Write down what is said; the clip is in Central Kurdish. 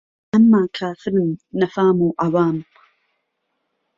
ئەمما کافرن نهفام و عهوام